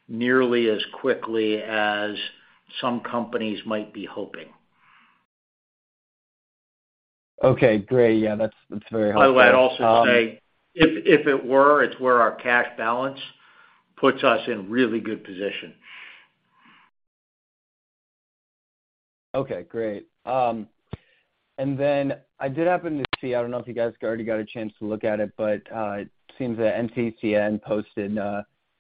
nearly as quickly as some companies might be hoping. Okay, great. Yeah, that's very helpful. I would also say, if it were, it's where our cash balance puts us in really good position. Okay, great. Then I did happen to see, I don't know if you guys already got a chance to look at it, but it seems that NCCN posted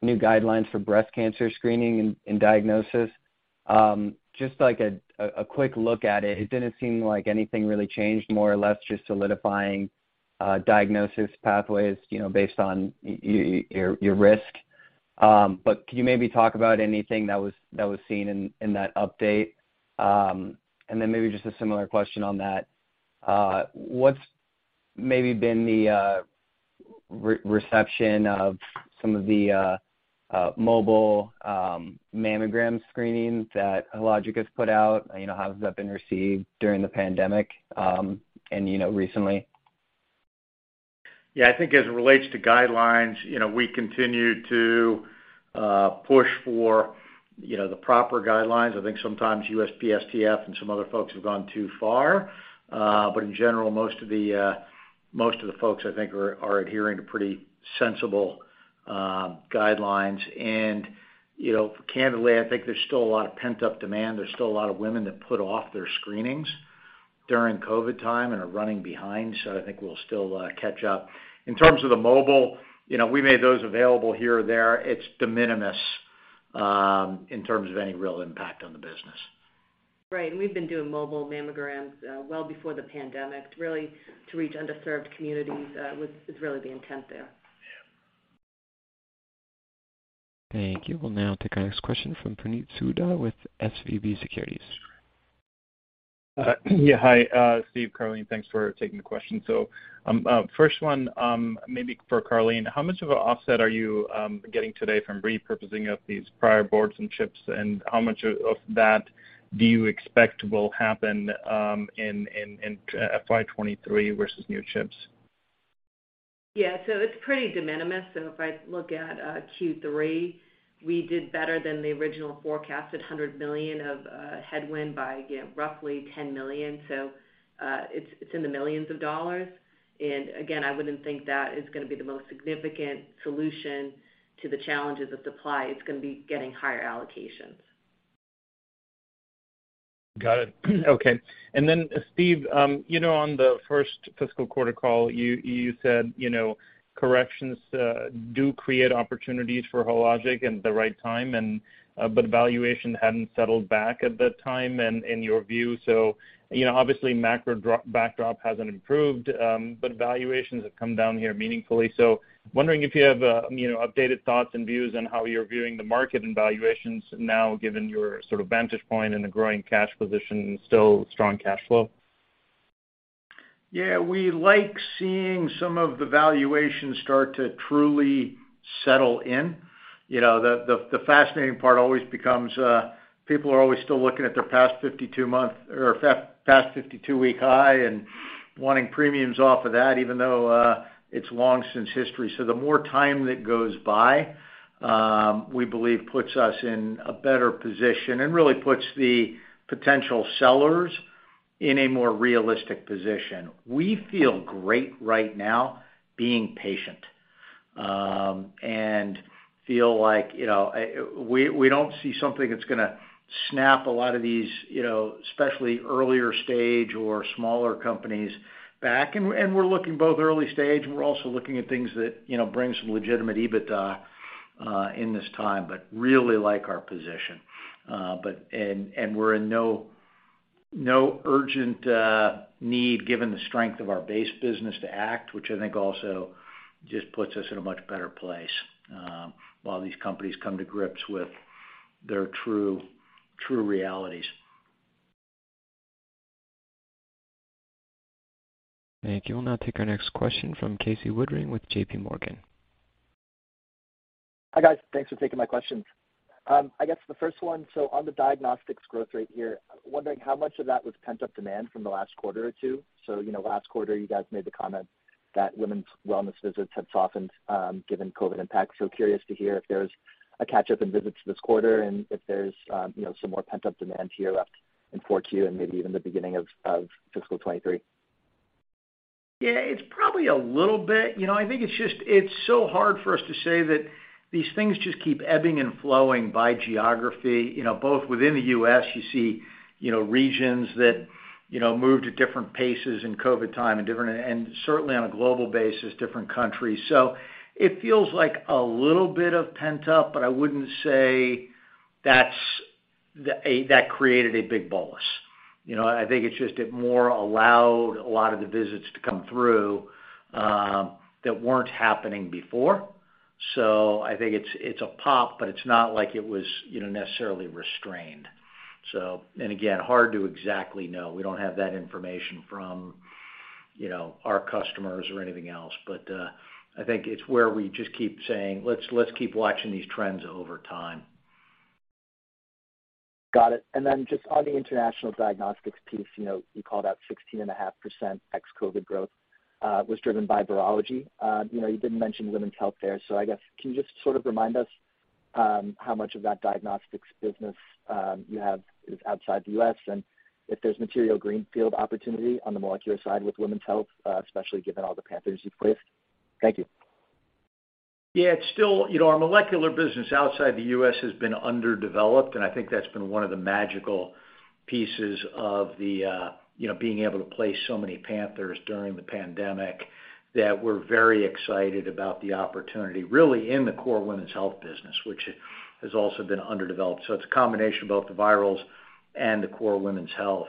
new guidelines for breast cancer screening and diagnosis. Just like a quick look at it didn't seem like anything really changed, more or less just solidifying diagnosis pathways, you know, based on your risk. But can you maybe talk about anything that was seen in that update? Then maybe just a similar question on that, what's maybe been the reception of some of the mobile mammogram screenings that Hologic has put out? You know, how has that been received during the pandemic, and you know, recently? Yeah. I think as it relates to guidelines, you know, we continue to push for, you know, the proper guidelines. I think sometimes USPSTF and some other folks have gone too far. In general, most of the folks I think are adhering to pretty sensible guidelines. You know, candidly, I think there's still a lot of pent-up demand. There's still a lot of women that put off their screenings during COVID time and are running behind. I think we'll still catch up. In terms of the mobile, you know, we made those available here or there. It's de minimis in terms of any real impact on the business. Right. We've been doing mobile mammograms well before the pandemic to really to reach underserved communities is really the intent there. Yeah. Thank you. We'll now take our next question from Puneet Souda with SVB Securities. Yeah. Hi, Steve, Karleen. Thanks for taking the question. First one, maybe for Karleen. How much of an offset are you getting today from repurposing of these prior boards and chips? How much of that do you expect will happen in FY 2023 versus new chips? Yeah. It's pretty de minimis. If I look at Q3, we did better than the original forecast at $100 million of headwind by you know roughly $10 million. It's in the millions of dollars. Again, I wouldn't think that is gonna be the most significant solution to the challenges of supply. It's gonna be getting higher allocations. Got it. Okay. Then Steve, you know, on the first fiscal quarter call, you said, you know, corrections do create opportunities for Hologic and the right time and, but valuation hadn't settled back at that time and in your view. You know, obviously, macro backdrop hasn't improved, but valuations have come down here meaningfully. Wondering if you have, you know, updated thoughts and views on how you're viewing the market and valuations now, given your sort of vantage point and the growing cash position and still strong cash flow. Yeah, we like seeing some of the valuations start to truly settle in. You know, the fascinating part always becomes people are always still looking at their past 52-month or past 52-week high and wanting premiums off of that, even though it's long since history. The more time that goes by, we believe puts us in a better position and really puts the potential sellers in a more realistic position. We feel great right now being patient and feel like, you know, we don't see something that's gonna snap a lot of these, you know, especially earlier stage or smaller companies back. We're looking both early stage, and we're also looking at things that, you know, bring some legitimate EBITDA in this time, but really like our position. We're in no urgent need, given the strength of our base business to act, which I think also just puts us in a much better place while these companies come to grips with their true realities. Thank you. We'll now take our next question from Casey Woodring with JPMorgan. Hi, guys. Thanks for taking my questions. I guess the first one, so on the diagnostics growth rate here, wondering how much of that was pent-up demand from the last quarter or two. You know, last quarter, you guys made the comment that women's wellness visits had softened, given COVID impacts. Curious to hear if there's a catch-up in visits this quarter and if there's, you know, some more pent-up demand here left in 4Q and maybe even the beginning of fiscal 2023. Yeah, it's probably a little bit. You know, I think it's just so hard for us to say that these things just keep ebbing and flowing by geography. You know, both within the US, you see, you know, regions that, you know, move to different paces in COVID time and different, and certainly on a global basis, different countries. It feels like a little bit of pent-up, but I wouldn't say that's that created a big bolus. You know, I think it's just it more allowed a lot of the visits to come through that weren't happening before. I think it's a pop, but it's not like it was, you know, necessarily restrained. Again, hard to exactly know. We don't have that information from, you know, our customers or anything else. I think it's where we just keep saying, "Let's keep watching these trends over time. Got it. Just on the international diagnostics piece, you know, you called out 16.5% ex-COVID growth was driven by virology. You know, you didn't mention women's healthcare. I guess, can you just sort of remind us how much of that diagnostics business you have is outside the U.S., and if there's material greenfield opportunity on the molecular side with women's health, especially given all the Panthers you've placed? Thank you. Yeah, it's still, you know, our molecular business outside the U.S. has been underdeveloped, and I think that's been one of the magical pieces of the, you know, being able to place so many Panthers during the pandemic, that we're very excited about the opportunity really in the core women's health business, which has also been underdeveloped. So it's a combination of both the virals and the core women's health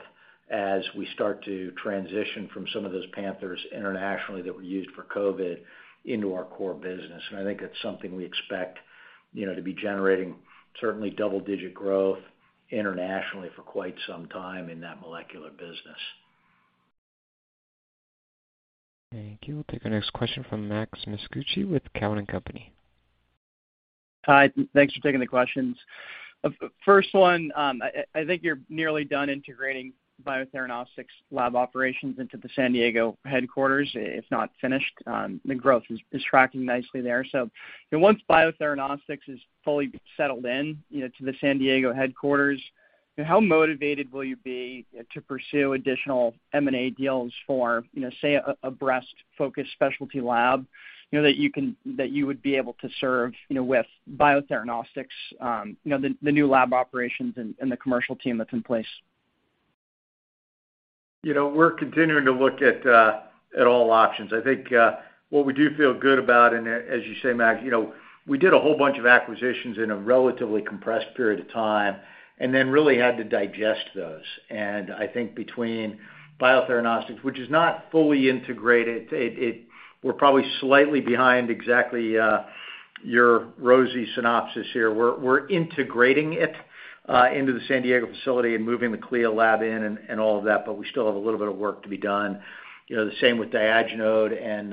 as we start to transition from some of those Panthers internationally that were used for COVID into our core business. I think it's something we expect, you know, to be generating certainly double-digit growth internationally for quite some time in that molecular business. Thank you. We'll take our next question from Max Masucci with Cowen and Company. Hi. Thanks for taking the questions. First one, I think you're nearly done integrating Biotheranostics lab operations into the San Diego headquarters, if not finished. The growth is tracking nicely there. You know, once Biotheranostics is fully settled in, you know, to the San Diego headquarters, how motivated will you be to pursue additional M&A deals for, you know, say, a breast-focused specialty lab, you know, that you would be able to serve, you know, with Biotheranostics, you know, the new lab operations and the commercial team that's in place? You know, we're continuing to look at all options. I think what we do feel good about, and as you say, Max, you know, we did a whole bunch of acquisitions in a relatively compressed period of time and then really had to digest those. I think between Biotheranostics, which is not fully integrated, we're probably slightly behind exactly your rosy synopsis here. We're integrating it into the San Diego facility and moving the CLIA lab in and all of that, but we still have a little bit of work to be done. You know, the same with Diagenode and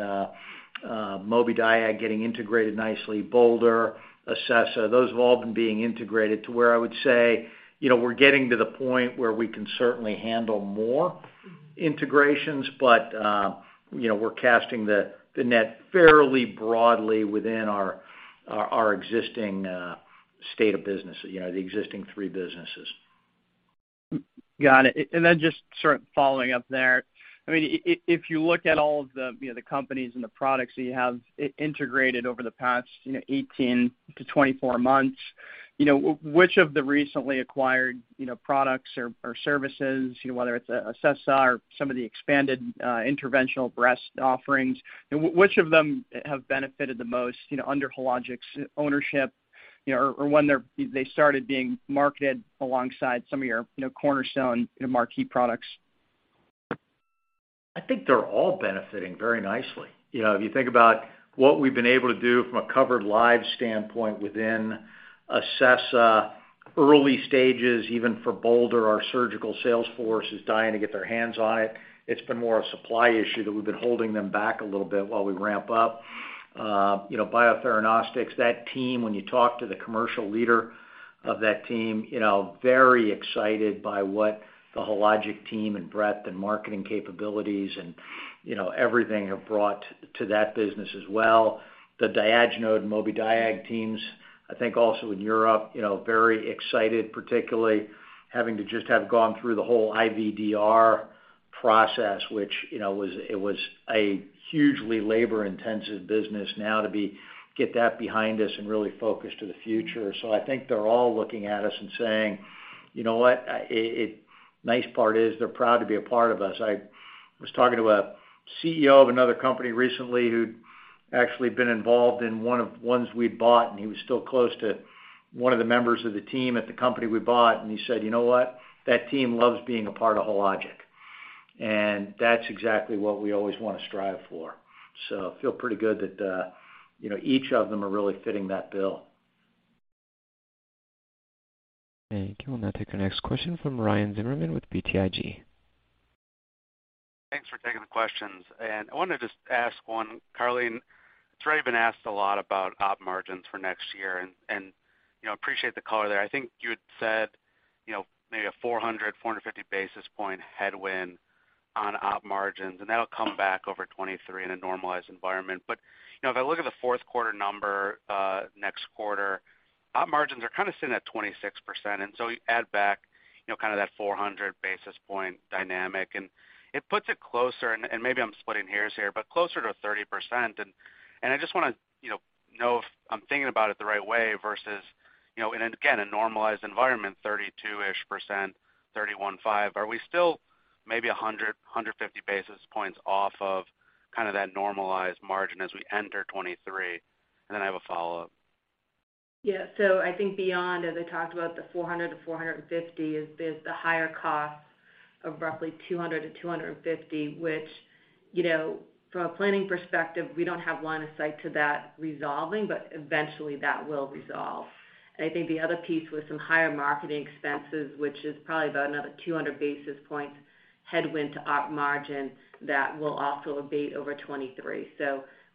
Mobidiag getting integrated nicely. Boulder, Acessa, those have all been being integrated to where I would say, you know, we're getting to the point where we can certainly handle more integrations, but, you know, we're casting the net fairly broadly within our existing state of business, you know, the existing three businesses. Got it. Just sort of following up there. I mean, if you look at all of the, you know, the companies and the products that you have integrated over the past, you know, 18-24 months, you know, which of the recently acquired, you know, products or services, you know, whether it's Acessa or some of the expanded interventional breast offerings, which of them have benefited the most, you know, under Hologic's ownership, you know, or when they started being marketed alongside some of your, you know, cornerstone and marquee products? I think they're all benefiting very nicely. You know, if you think about what we've been able to do from a covered live standpoint within Acessa early stages, even for Boulder, our surgical sales force is dying to get their hands on it. It's been more a supply issue that we've been holding them back a little bit while we ramp up. You know, Biotheranostics, that team, when you talk to the commercial leader of that team, you know, very excited by what the Hologic team and breadth and marketing capabilities and, you know, everything have brought to that business as well. The Diagenode, Mobidiag teams, I think also in Europe, you know, very excited, particularly having just gone through the whole IVDR process, which, you know, was. It was a hugely labor-intensive business now to get that behind us and really focus on the future. I think they're all looking at us and saying, "You know what? The nice part is they're proud to be a part of us." I was talking to a CEO of another company recently who'd actually been involved in one of the ones we'd bought, and he was still close to one of the members of the team at the company we bought, and he said, "You know what? That team loves being a part of Hologic." That's exactly what we always wanna strive for. I feel pretty good that, you know, each of them are really fitting that bill. Thank you. We'll now take our next question from Ryan Zimmerman with BTIG. Thanks for taking the questions. I wanted to just ask one, Karleen. It's already been asked a lot about op margins for next year and, you know, appreciate the color there. I think you had said, you know, maybe a 400-450 basis point headwind on op margins, and that'll come back over 2023 in a normalized environment. You know, if I look at the fourth quarter number, next quarter, op margins are kinda sitting at 26%. So you add back, you know, kind of that 400 basis point dynamic, and it puts it closer, and maybe I'm splitting hairs here, but closer to 30%. I just wanna, you know if I'm thinking about it the right way versus, you know, in again, a normalized environment, 32%-ish, 31.5%. Are we still maybe 100-150 basis points off of kind of that normalized margin as we enter 2023? Then I have a follow-up. Yeah. I think beyond, as I talked about the 400-450 is there's the higher cost of roughly 200-250, which, you know, from a planning perspective, we don't have line of sight to that resolving, but eventually that will resolve. I think the other piece was some higher marketing expenses, which is probably about another 200 basis points headwind to op margin that will also abate over 2023.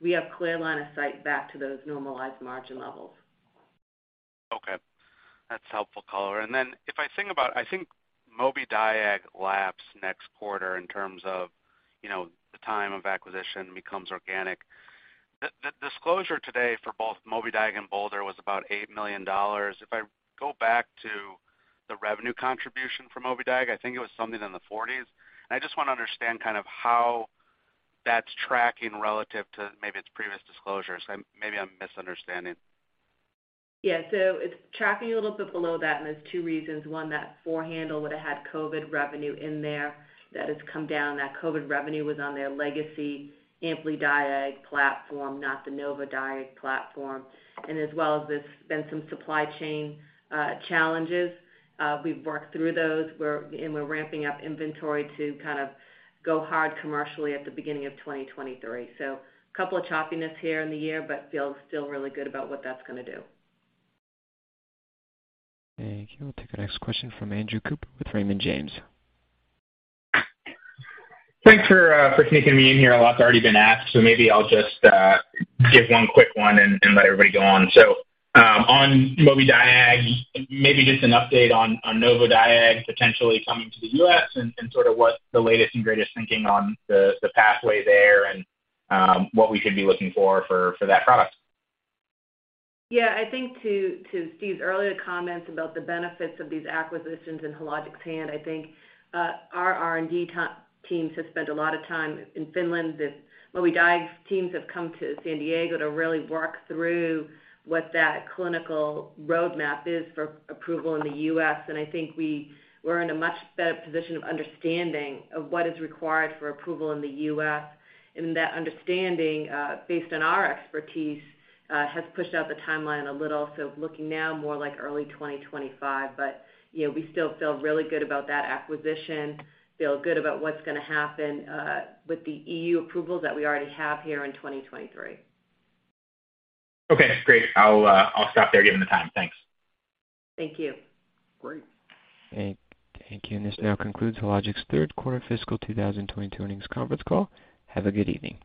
We have clear line of sight back to those normalized margin levels. Okay. That's helpful color. I think Mobidiag labs next quarter in terms of, you know, the time of acquisition becomes organic. The disclosure today for both Mobidiag and Boulder was about $8 million. If I go back to the revenue contribution for Mobidiag, I think it was something in the 40s, and I just wanna understand kind of how that's tracking relative to maybe its previous disclosures. Maybe I'm misunderstanding. Yeah. It's tracking a little bit below that, and there's two reasons. One, that four handle would have had COVID revenue in there that has come down. That COVID revenue was on their legacy AmpliDiag platform, not the Novodiag platform. As well as there's been some supply chain challenges. We've worked through those. And we're ramping up inventory to kind of go hard commercially at the beginning of 2023. Couple of choppiness here in the year, but feel still really good about what that's gonna do. Thank you. We'll take our next question from Andrew Cooper with Raymond James. Thanks for sneaking me in here. A lot's already been asked, so maybe I'll just give one quick one and let everybody go on. On Mobidiag, maybe just an update on Novodiag potentially coming to the U.S. and sort of what the latest and greatest thinking on the pathway there and what we should be looking for that product. Yeah, I think to Steve's earlier comments about the benefits of these acquisitions in Hologic's hand, I think our R&D teams have spent a lot of time in Finland. The Mobidiag teams have come to San Diego to really work through what that clinical roadmap is for approval in the US, and I think we're in a much better position of understanding of what is required for approval in the US. That understanding, based on our expertise, has pushed out the timeline a little. Looking now more like early 2025. You know, we still feel really good about that acquisition, feel good about what's gonna happen with the EU approvals that we already have here in 2023. Okay, great. I'll stop there given the time. Thanks. Thank you. Great. Thank you. This now concludes Hologic's third quarter fiscal 2022 earnings conference call. Have a good evening.